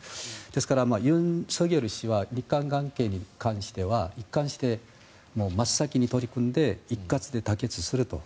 ですから、尹錫悦氏は日韓関係に関しては一貫して真っ先に取り組んで一括で妥結すると。